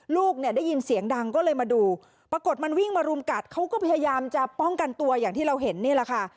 ลูกเนี่ยได้ยินเสียงดังก็เลยมาดูปรากฏมันวิ่งมารุมกัดเขาก็พยายามจะป้องกันตัวอย่างที่เราเห็นนี่แหละค่ะ